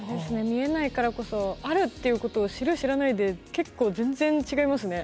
見えないからこそあるっていうことを知る知らないで結構全然違いますね。